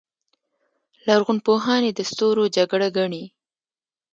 لرغونپوهان یې د ستورو جګړه ګڼي.